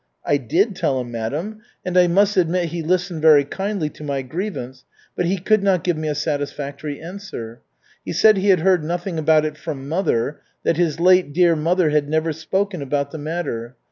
"I did tell him, madam, and I must admit he listened very kindly to my grievance, but he could not give me a satisfactory answer. He said he had heard nothing about it from mother; that his late dear mother had never spoken about the matter.